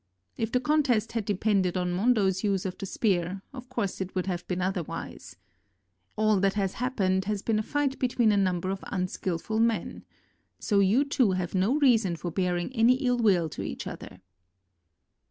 If the contest had depended on Hondo's use of the spear, of course it would have been otherwise. All that has happened has been a fight between a num ber of unskillful men. So you two have no reason for bearing any ill will to each other."